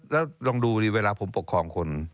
แล้วลองดูดิเวลาผมปกครองคน